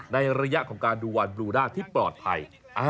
ในระยะของการดูวันบลูด้าที่ปลอดภัย